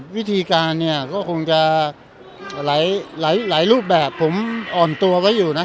วิธีการเนี่ยก็คงจะหลายรูปแบบผมอ่อนตัวไว้อยู่นะ